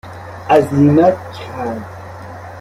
عزیمت کرد